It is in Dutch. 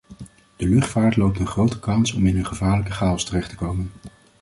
De luchtvaart loopt een grote kans om in een gevaarlijke chaos terecht te komen.